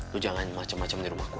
lo jangan macem macem di rumah gue